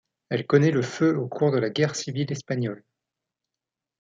Elle connaît le feu au cours de la Guerre civile espagnole.